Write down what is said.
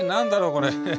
これ。